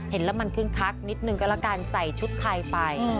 เห็นแล้วมันคึกคักนิดนึงก็แล้วกันใส่ชุดไทยไป